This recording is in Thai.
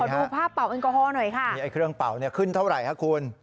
ดูภาพเป่าแอลกอฮอล์หน่อยค่ะนี่ไอ้เครื่องเป่าเนี่ยขึ้นเท่าไหร่ฮะคุณ